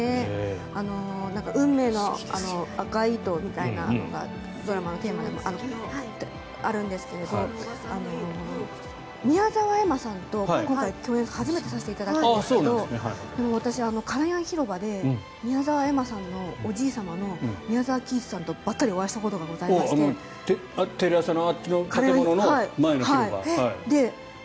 運命の赤い糸みたいなのがドラマのテーマにあるんですけど宮澤エマさんと今回共演を初めてさせていただいたんですが私、広場で宮澤エマさんのおじいさまの宮沢喜一さんとばったりお会いしたことがありましてテレ朝の前の広場？